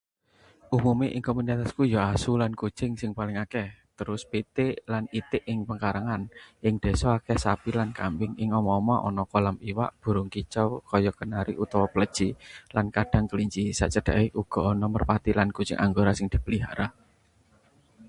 Umumé ing komunitasku ya asu lan kucing sing paling akeh, terus pitik lan itik ing pekarangan. Ing desa akèh sapi lan kambing; ing omah-omah ana kolam iwak, burung kicau kaya kenari utawa pleci, lan kadhang kelinci. Sacedhake uga ana merpati lan kucing anggora sing dipelihara.